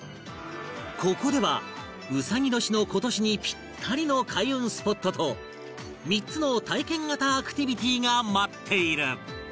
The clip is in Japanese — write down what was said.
ここでは卯年の今年にピッタリの開運スポットと３つの体験型アクティビティが待っている